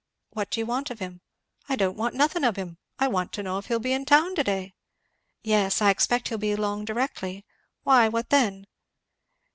"What do you want of him?" "I don't want nothin' of him. I want to know if he'll be in town to day?" "Yes I expect he'll be along directly why, what then?"